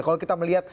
kalau kita melihat